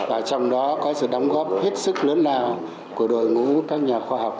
và trong đó có sự đóng góp hết sức lớn lao của đội ngũ các nhà khoa học